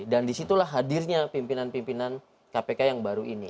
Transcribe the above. dan disitulah hadirnya pimpinan pimpinan kpk yang baru ini